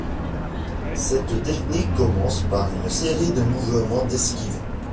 Cette technique commence par une série de mouvements d'esquives.